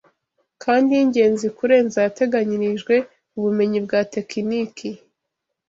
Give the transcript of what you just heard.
kandi y’ingenzi kurenza ayateganyirijwe ubumenyi bwa tekiniki